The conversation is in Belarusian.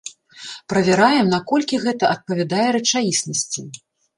Правяраем, наколькі гэта адпавядае рэчаіснасці.